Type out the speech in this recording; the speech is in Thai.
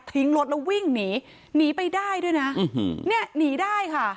รถแล้ววิ่งหนีหนีไปได้ด้วยนะเนี่ยหนีได้ค่ะ